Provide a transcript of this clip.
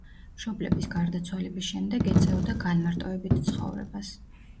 მშობლების გარდაცვალების შემდეგ ეწეოდა განმარტოებით ცხოვრებას.